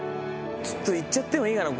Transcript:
ちょっと行っちゃってもいいかな？